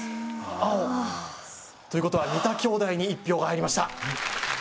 青ということは三田兄弟に１票が入りました